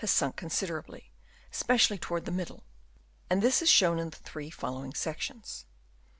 2 o 02 sunk considerably, especi ally towards the middle ; and this is shown in the three following sections.